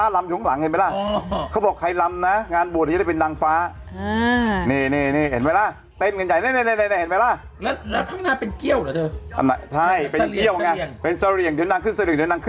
แล้วเห็นไหมนางฟ้าเนี่ยลำข